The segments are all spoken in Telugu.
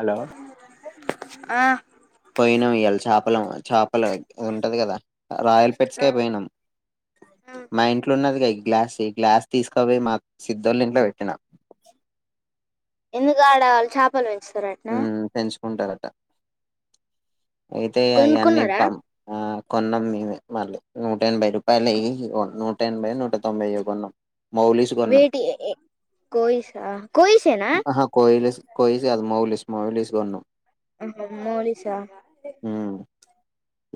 హలో ఆ పోయిన వి ఎల్ చా పలం చేపలు ఉంటది కదా రాయల్ పెట్స్ కె పోయినాం మా ఇంట్లో ఉన్నది కా గ్లాస్ ఈ గ్లాస్ తీసుకోపోయి మా సిద్ధళ్ళ ఇంట్లో పెట్టినా ఎందుకు ఆడ చేపలు సరెట్నా కుంటరట అయితే అవన్ని కొనుక్కున్నారా ఇప్పం ఆ కొన్నాం మేమే మళ్ళీ నూట ఎనభై రూపాయలుయ్య నూట ఎనభై నూట తొంభై య కొన్నాం మౌలీస్ కొన్నాం వేటి కోయిస కోయిసేనా కోయిస కాదు మౌలిస్ మౌలిస్ కొన్న మౌలిసా ఉమ్,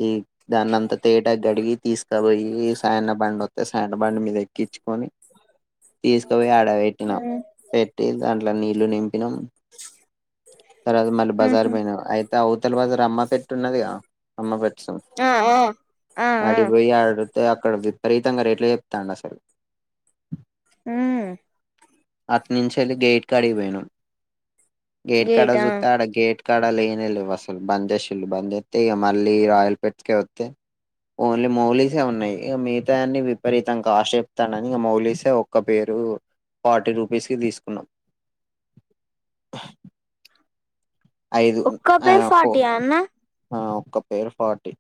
ఈ దాన్నంతా తేటా గడిగి తీసుకు సబ ఈ సాయన్న బండ సండ్ బండి మీద ఎక్కిచ్చి కోని తీసుకుపోయి ఆడ పెట్టినాం పెట్టి దా నీళ్లు నిం నింపినాం తర్వాత మళ్లీ బజార్ ఉహు పోయిన అయితే అవతల బజ రమ్మ సెట్టు ఉన్నదిగా అమ్మ పెచ్చం ఆ ఆ ఆ ఆ అడిపోయి ఆడు అయితే అక్కడ విపరీతంగా రేట్లే చెప్తుండు అసలు ఉమ్ అటు నుంచి వెళ్లి గేట్ కడికి పోయినం గేట్ కాడ గేటా చూస్తే ఆడ గేట్ ఇక్కడ లేనే లేవు అసలు బంద్ చేసిళ్ళు బంద్ చెత్తే ఇగ మళ్ళీ రాయల్ ఫెట్స్క వత్తే ఓన్లీ మౌలిసే ఉన్నాయి ఇక మిగతా వన్నీ విపరీతం కాస్ట్ చెప్తానని ఇక మౌలిసే ఒక్క పేరు ఫార్టీ రూపీస్ కి తీసుకున్నాం ఐదు ఒక్క ఆ పేరు ఫోర్ ఫార్టీయా అన్న ఒక పేరు ఫార్టీ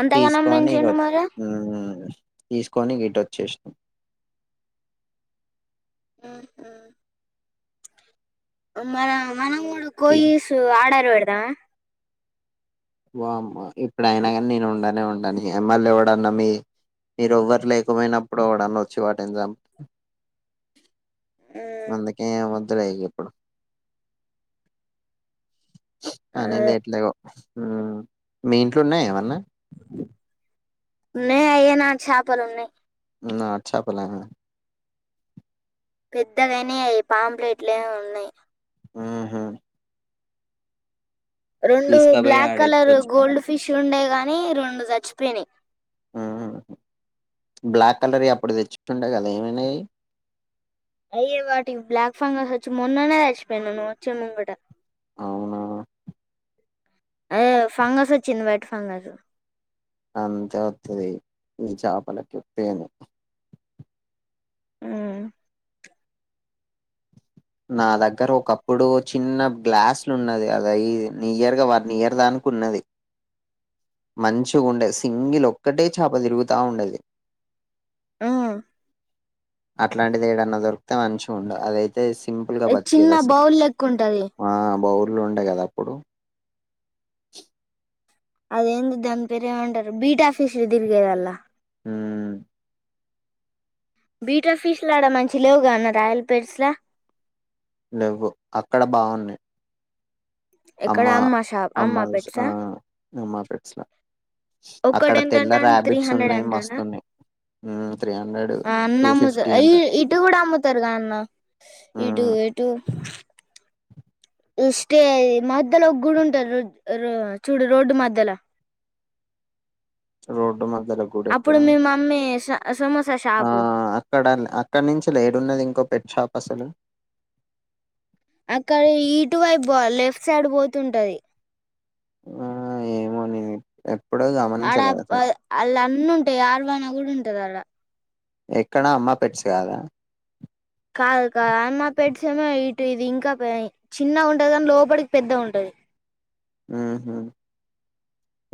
అంతగనం తీసుకోని ఇగ పెంచిండు మరి ఉమ్ తీసుకొని గిటోచ్చేసినం ఉ ఉమ్ మార్ మనము కూడా కోయస్ ఆడ పెడదామా బమ్మా ఇప్పుడయినా కానీ నేను ఉంనే ఉంను ఎమ్మెల్ ఎవడన్నా మీ మీరు ఎవ్వరు లేకపోయినప్పుడు ఎవడన్నా వచ్చి వాటినీ జమ్ అందుకే ఏం వో ఇగ ఎప్పుడు అనే లేట్లే ఉమ్ మీ ఇంట్లో ఉన్నాయా ఏమన్నా ఉన్నాయి అయేనా చేపలు ఉన్నాయి ఆ చాపలా పెద్దగాయినై అవి పాంప్లెట్లు ఉన్నాయి్ ఉహు రెండు తీసుకపోయి బ్లాక్ కలర్ ఆడిచ్చొచ్చు మనం గోల్డ్ ఫిష్ ఉండే గాని రెండు చచ్చిపోయినై ఉమ్ బ్లాక్ కలర్ అప్పుడు తెచ్చుండే కదా ఏమైనాయి అయ్యే వాటికి బ్లాక్ ఫంగస్ వచ్చి మొన్ననే చిపోయినాయ్ నువ్వు వచ్చే ముంగట అవునా అదే ఫంగస్ వచ్చింది వైట్ ఫంగస్ అంతే వతుంది ఈ చేపలకి తేనే ఉమ్, నా దగ్గర ఒకప్పుడు చిన్న గ్లాసులు ఉన్నది అది నియర్గా వర్ నియర్ దానికి ఉన్నది మంచిగా ఉండేది సింగిల్ ఒక్కటే చేప తిరుగుతా ఉండది ఉ అట్లాంటిది ఏడన్నా దొరికితే మంచి ఉండు అదైతే సింపుల్‌గా చిన్న బతికేదసలు. బౌల్ లెక్క ఉంటది ఆ! బౌల్‌లో ఉండే కదా అప్పుడు అదేంది దాని పేరేమంటారు బీటాఫీస్ తిరిగేదల్ ఉ బీటా ఫీష్ లాడ మంచి లేవుగా అన్న రాయల్ పేర్స్ల లేవ్వు అక్కడ బావున్నాయి ఎక్కడ అమ్మా అమ్మ షాప్ అమ్మ అమ్మా వి ఆ అమ్మా పెట్స్ల ఒకటి ఎంత అంటా అ త్రీ హండ్రెడ్ ఉన్నాయి. అంటానా మస్తున్నాయి. హ్మ్. అన్న అమ్ముతారు అంట. ఇ ఇటు కూడా అమ్ముతారు కదా అన్న ఇటు హ్మ్. ఎటు ఇష్టే మధ్యలో ఒక గుడి ఉంటది చూడు రోడ్డు మధ్యలో రోడ్డు మ అప్పుడు మీ మమ్మీ సమోసా ఆ షాపు అక్కడ అక్కడ నుంచి లేడున్నది ఇంకో పెట్ షాప్ అసలు అక్కడ ఇటువై పో లెఫ్ట్ సైడ్ పోతుంటది ఆ ఏమోనిది ఆడ అళ్ళ అన్న ఉంటాయి ఆలమానా కూడా ఉంటది ఆడ ఎక్కడా అమ్మ పెట్చ కదా టెమో ఇటు ఇది ఇంకా చిన్న ఉంటది కాని లోపలికి పెద్ద ఉంటది ఊహూ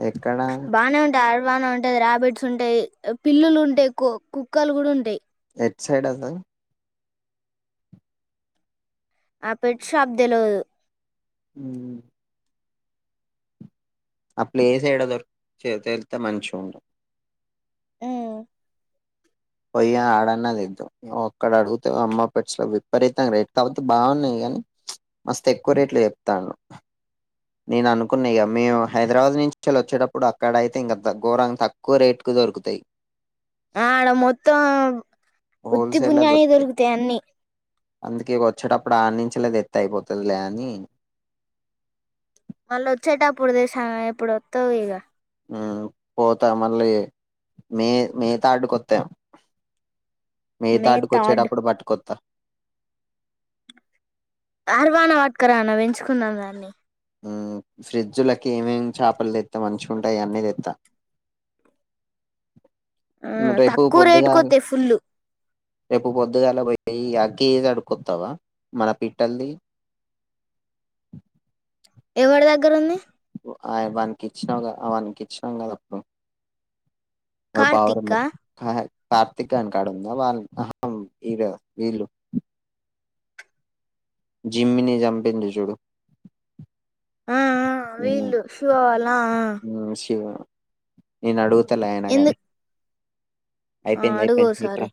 ఎక్కడ రవాణ ఉంటా రార్యాబెట్స్ ఉంటాయి పిల్లులు ఉంటాయి కుక్కలు కూడా ఉంటాయి ఎట్ సైడ్ సార్ ఆ పెట్టి బ్ తెలవదు ఉ ఆ ప్లేస్ ఏడు ఎడ దొ తేలితే మంచి ఉంట ఊ పోయ్యి ఆడన్నా తింటం ఒక్కడు అడుగుతే అమ్మ పెట్స్లో విపరీతం రేట్ కావోతే బావున్నాయి కానీ మస్తు ఎక్కువ రేట్లు చెప్తాను నేను అనుకున్నా ఇగ మేము హైదరాబాద్ నుంచి అలా వచ్చేటప్పుడు అక్కడయితే ఇంకాత ఘోరం తక్కువ రేట్ కు దొరుకుతాయి త్తం ఉత్తి హోల్సేల్ లో పుణ్యానికి దొరుకుతాయి అన్నీ అందుకే వచ్చేటప్పుడు ఆన్నించిలే తెత్తే అయిపోతదిలే అని మళ్ళ వచ్చేటప్పుడు దే షామి అప్పుడు వత్తాదిగా ఊ పోతా మళ్ళీ మే మే తాడ్డు కొత్తేం మే తాడ్డుకొచ్చేటప్పుడు పట్టుకొత్తా అర్వాన వట్కరా నా పెంచుకుందాం దాన్ని ము ఫ్రిజ్ లకి ఏమేమి చేపలు తెత్తాం మంచిగఉంటాయి అన్నీ తెత్తా ఆ రేపు తక్కువ పొద్దుగాల రేటుకోతైయి ఫుల్ రేపు పొద్దుగాలా పోయి అకి అడుకొత్తవా మన పిట్టల్ది ఎవడి దగ్గర ఉంది అ వాన్ కిచ్చినౌగా అవన్ కిచ్చినంగాద అ కార్తిక్ వాడ్ ఆ [unintelligible] కార్తీకన్ కాడు [unintelligible] జిమ్మిని జంపిందిజుడు అ ఆ వీళ్ళు శువావాల అ ఆ నేన్ అడు తలే అయినా కాగానీ అ అడుగు ఓసారీ